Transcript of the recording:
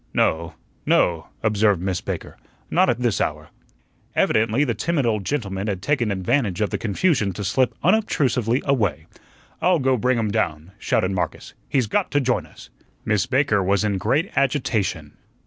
"No, no," observed Miss Baker, "not at this hour." Evidently the timid old gentleman had taken advantage of the confusion to slip unobtrusively away. "I'll go bring him down," shouted Marcus; "he's got to join us." Miss Baker was in great agitation.